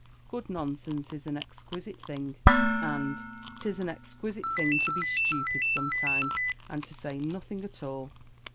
Good nonsense is an exquisite thing; and 'tis an exquisite thing to be stupid sometimes, and to say nothing at all.